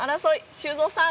修造さん